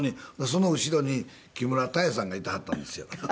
その後ろに木村多江さんがいてはったんですよ。